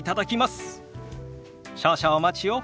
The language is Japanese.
少々お待ちを。